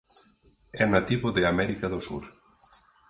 É nativo de América do Sur.